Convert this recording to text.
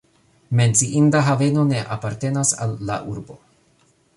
Menciinda haveno ne apartenas al la urbo.